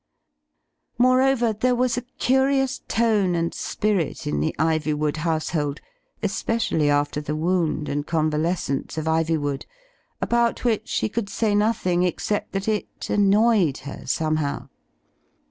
Moreover, there was a curious tone and spirit in the Ivywood household, especially after the wound and convalescence of Ivywood, about which she could say nothing except that it annoyed her somehow.